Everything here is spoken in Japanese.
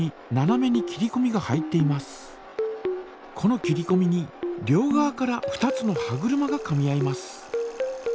この切りこみに両側から２つの歯車がかみ合います。